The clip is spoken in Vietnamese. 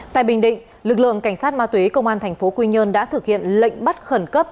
tại bình định lực lượng cảnh sát ma túy công an thành phố quy nhơn đã thực hiện lệnh bắt khẩn cấp